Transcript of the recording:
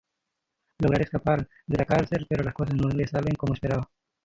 Logra escapar de la cárcel, pero las cosas no le salen como esperaba.